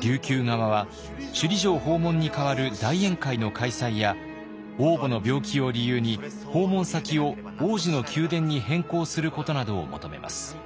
琉球側は首里城訪問に代わる大宴会の開催や王母の病気を理由に訪問先を王子の宮殿に変更することなどを求めます。